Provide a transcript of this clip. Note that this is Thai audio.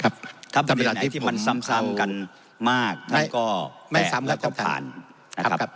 ครับทำเป็นอะไรที่มันซ้ำซ้ำกันมากทั้งก็ไม่ซ้ำแล้วก็ผ่านนะครับ